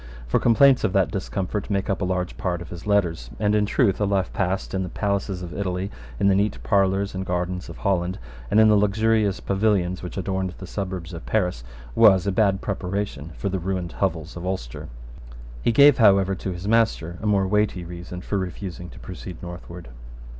For complaints of that discomfort make up a large part of his letters; and, in truth, a life passed in the palaces of Italy, in the neat parlours and gardens of Holland, and in the luxurious pavilions which adorned the suburbs of Paris, was a bad preparation for the ruined hovels of Ulster. He gave, however, to his master a more weighty reason for refusing to proceed northward.